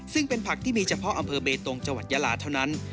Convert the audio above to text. ซึ่งเป็นผักที่มีเฉพาะอำเภอเบตงจังหวัดยาลาเท่านั้น